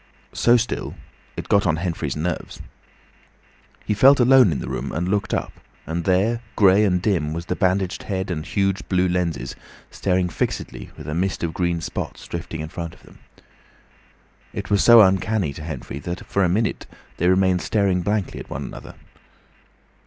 So still, it got on Henfrey's nerves. He felt alone in the room and looked up, and there, grey and dim, was the bandaged head and huge blue lenses staring fixedly, with a mist of green spots drifting in front of them. It was so uncanny to Henfrey that for a minute they remained staring blankly at one another.